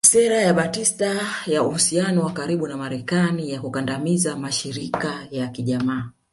Sera ya Batista ya uhusiano wa karibu na Marekani na kukandamiza mashirika ya kijamaa